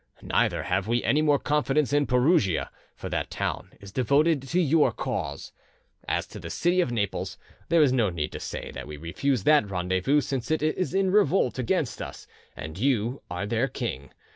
Neither have we any more confidence in Perugia, for that town is devoted to your cause. "As to the city of Naples, there is no need to say that we refuse that rendezvous, since it is in revolt against us and you are there as king.